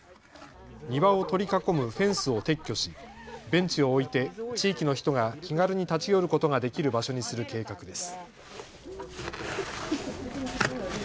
庭を取り囲むフェンスを撤去しベンチを置いて地域の人が気軽に立ち寄ることができる場所にする計画です。